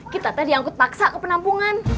kita tadi angkut paksa ke penampungan